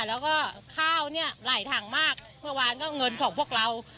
แล้วก็ข้าวลายทางมากเหงินของพวกเรา